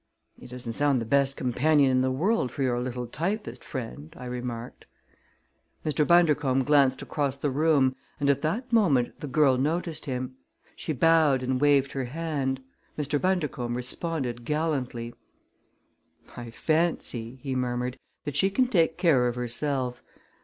"He doesn't sound the best companion in the world for your little typist friend," I remarked. Mr. Bundercombe glanced across the room and at that moment the girl noticed him. She bowed and waved her hand. Mr. Bundercombe responded gallantly. "I fancy," he murmured, "that she can take care of herself.